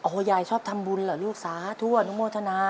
โอ้โหยายชอบทำบุญเหรอลูกสาธุอนุโมทนา